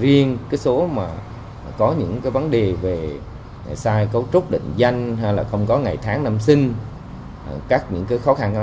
riêng số có những vấn đề về sai cấu trúc định danh không có ngày tháng năm sinh các khó khăn